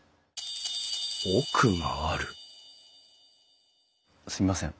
奥があるすみません。